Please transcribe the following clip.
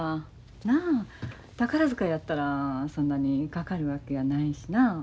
なあ宝塚やったらそんなにかかるわけやないしな。